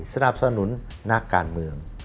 สนับสนุนนักการเมือง